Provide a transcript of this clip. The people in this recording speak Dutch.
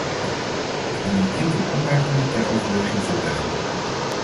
Ik wil u enkele opmerkingen ter overweging voorleggen.